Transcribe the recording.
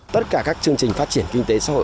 tất cả các chương trình phát triển kinh tế xã hội